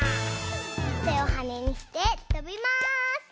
てをはねにしてとびまーす。